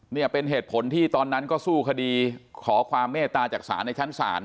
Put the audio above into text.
เนี่ยเป็นเหตุผลที่ตอนนั้นก็สู้คดีขอความเมตตาจากศาลในชั้นศาล